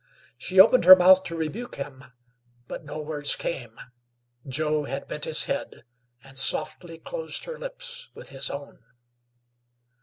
She opened her mouth to rebuke him; but no words came. Joe had bent his head and softly closed her lips with his own.